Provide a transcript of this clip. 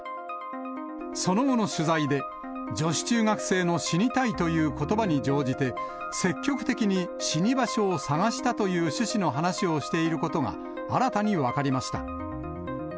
その後の取材で、女子中学生の死にたいということばに乗じて、積極的に死に場所を探したという趣旨の話をしていることが新たに分かりました。